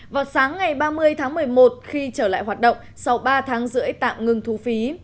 vào sáng ngày ba mươi tháng một mươi một khi trở lại hoạt động sau ba tháng rưỡi tạm ngừng thu phí